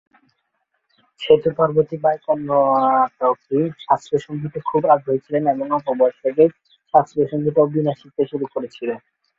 সেতু পার্বতী বাই কর্ণাটকী শাস্ত্রীয় সঙ্গীতে খুব আগ্রহী ছিলেন এবং অল্প বয়স থেকেই শাস্ত্রীয় সঙ্গীত এবং বীণা শিখতে শুরু করেছিলেন।